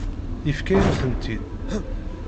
Yefka-yam-tent-id.